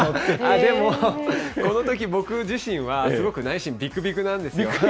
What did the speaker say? でも、このとき、僕自身は、すごく内心、びくびくなんですよ。